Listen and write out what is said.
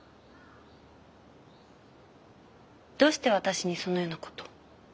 どうして私にそのような事を？